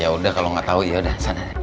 ya udah kalau nggak tahu yaudah sana